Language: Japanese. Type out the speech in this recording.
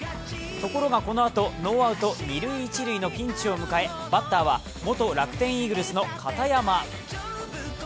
ところが、このあとノーアウト二・一塁のピンチを迎えバッターは、元楽天イーグルスの片山。